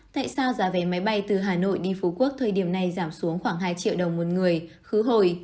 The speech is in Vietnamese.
tại sao giá vé máy bay từ hà nội đi phú quốc thời điểm này giảm xuống khoảng hai triệu đồng một người khứ hồi